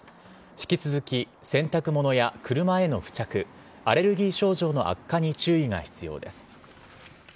引き続き、洗濯物や車への付着アレルギー症状の悪化に注意が必要です。